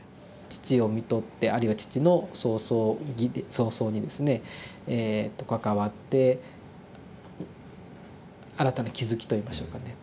父をみとってあるいは父の葬送儀葬送儀ですね関わって新たな気付きといいましょうかね。